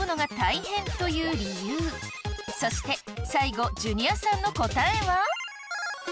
そして最後ジュニアさんの答えは？